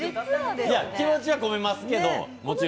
気持ちは込めますけど、もちろん。